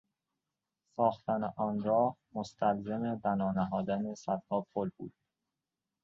ساختن آن راه مستلزم بنا نهادن صدها پل بود.